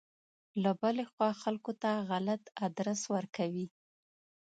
له بلې خوا خلکو ته غلط ادرس ورکوي.